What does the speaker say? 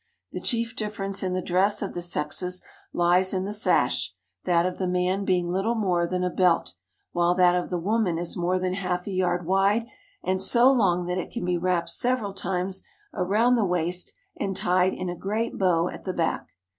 The chief difference in the dress of the sexes lies in the sash, that of the man being little more than a belt, while that of the woman is more than half a yard wide and so long that it can be wrapped several times around the waist and tied in a great bow at the back.